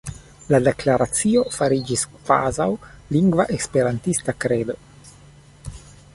La Deklaracio fariĝis kvazaŭ lingva esperantista "Kredo".